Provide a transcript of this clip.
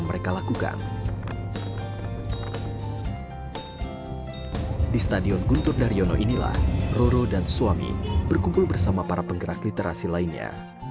di stadion guntur daryono inilah roro dan suami berkumpul bersama para penggerak literasi lainnya